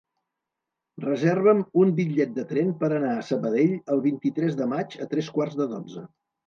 Reserva'm un bitllet de tren per anar a Sabadell el vint-i-tres de maig a tres quarts de dotze.